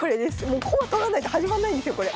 もう駒取らないと始まんないんですよこれ。